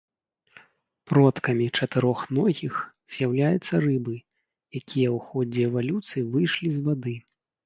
Продкамі чатырохногіх з'яўляюцца рыбы, якія ў ходзе эвалюцыі выйшлі з вады.